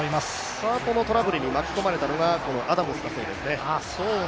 カートのトラブルに巻き込まれたのがこのアダムスだそうですね。